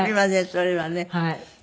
それはね。